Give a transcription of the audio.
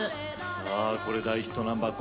さあこれ大ヒットナンバー。